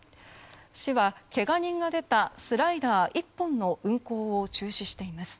市は、けが人が出たスライダー１本の運行を中止しています。